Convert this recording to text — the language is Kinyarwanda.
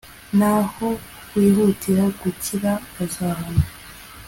naho uwihutira gukira azahanwa